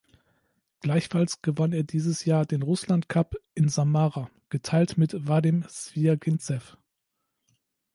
Gleichfalls gewann er dieses Jahr den Russland-Cup in Samara, geteilt mit Wadim Swjaginzew.